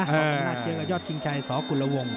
กลับมาเจอกับยอดชิงชัยสกุลวง